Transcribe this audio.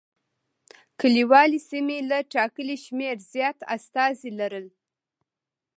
کلیوالي سیمو له ټاکلي شمېر زیات استازي لرل.